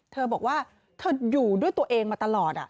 เธอบอกว่าเธออยู่ด้วยตัวเองมาตลอด